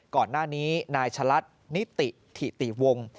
ก่อนหน้านี้นายชะลัดนิติถิติวงศ์